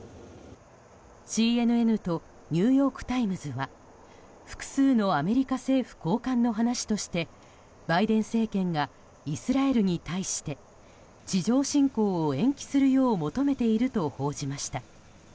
ＣＮＮとニューヨーク・タイムズは複数のアメリカ政府高官の話としてバイデン政権がイスラエルに対して地上侵攻を延期するよう求めていると報じました。